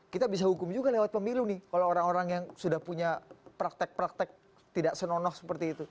kita bisa hukum juga lewat pemilu nih kalau orang orang yang sudah punya praktek praktek tidak senonoh seperti itu